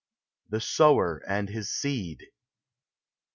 THE SOWER AND HIS SEED.